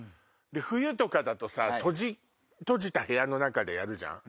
冬とかだとさ閉じた部屋の中でやるじゃん。